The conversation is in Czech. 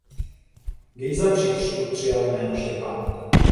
Gejza při křtu přijal jméno Štěpán.